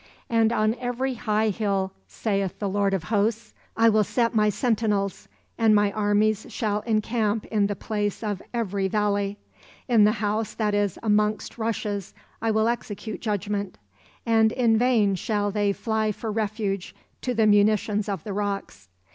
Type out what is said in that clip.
And on every high hill, saith the Lord of Hosts, I will set my sentinels, and my armies shall encamp in the place of every valley; in the house that is amongst rushes I will execute judgment, and in vain shall they fly for refuge to the munitions of the rocks.